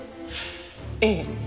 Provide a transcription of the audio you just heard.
ええ。